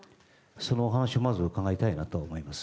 その話をまず伺いたいなとは思います。